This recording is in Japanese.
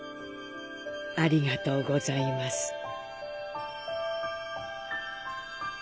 ありがとうございます。